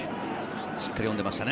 しっかり読んでいましたね。